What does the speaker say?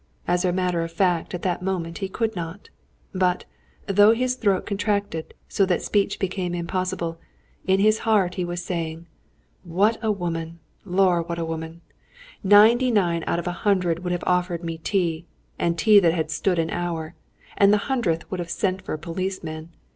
As a matter of fact, at that moment he could not. But, though his throat contracted, so that speech became impossible, in his heart he was saying: "What a woman! Lor, what a woman! Ninety nine out of a hundred would have offered me tea and tea that had stood an hour; and the hundredth would have sent for a policeman!